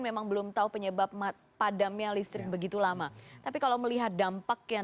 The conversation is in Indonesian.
memang belum tahu penyebab padamnya listrik begitu lama tapi kalau melihat dampak yang